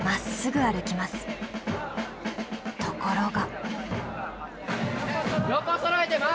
ところが。